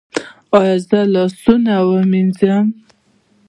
ایا زه لاسونه ووینځم؟